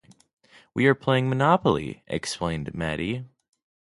'We are playing Monopoly,' explained Maddie.